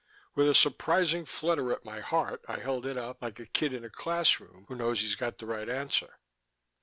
With a surprising flutter at my heart I held it up, like a kid in a classroom who knows he's got the right answer.